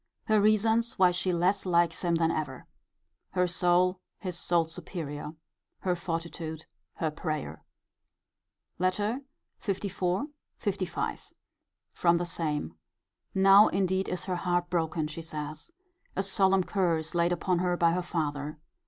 Her reasons why she less likes him than ever. Her soul his soul's superior. Her fortitude. Her prayer. LETTER LIV. LV. From the same. Now indeed is her heart broken, she says. A solemn curse laid upon her by her father.